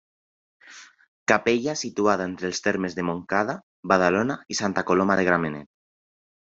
Capella situada entre els termes de Montcada, Badalona i Santa Coloma de Gramenet.